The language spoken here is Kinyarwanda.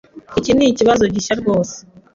Iki nikibazo gishya rwose.